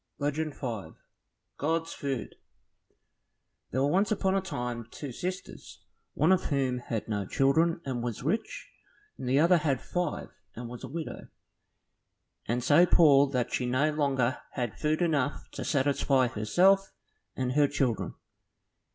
Legend 5 God's Food There were once upon a time two sisters, one of whom had no children and was rich, and the other had five and was a widow, and so poor that she no longer had food enough to satisfy herself and her children.